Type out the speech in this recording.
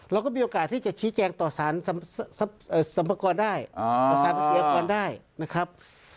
เราก็มีโอกาสที่จะชี้แจงต่อสารสรรพากรได้ประสานภาษียากรได้นะครับ